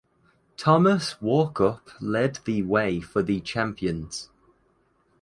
Thomas Walkup led the way for the champions.